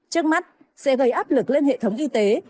trước mắt sẽ gây áp lực lên hệ thống y tế